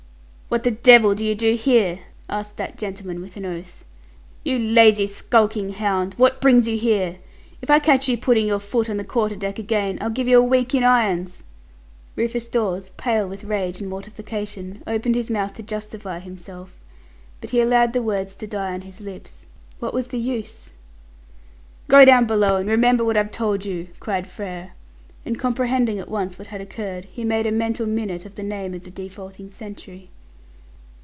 "What the devil do you do here?" asked the gentleman with an oath. "You lazy, skulking hound, what brings you here? If I catch you putting your foot on the quarter deck again, I'll give you a week in irons!" Rufus Dawes, pale with rage and mortification, opened his mouth to justify himself, but he allowed the words to die on his lips. What was the use? "Go down below, and remember what I've told you," cried Frere; and comprehending at once what had occurred, he made a mental minute of the name of the defaulting sentry.